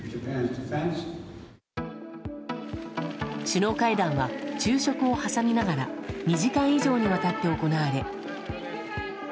首脳会談は昼食を挟みながら２時間以上にわたって行われ。